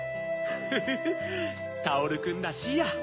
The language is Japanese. フフフタオルくんらしいや。